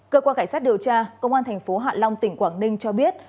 cơ quan cảnh sát điều tra công an thành phố hạ long tỉnh quảng ninh cho biết